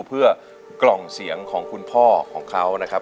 เพื่อกล่องเสียงของคุณพ่อของเขานะครับ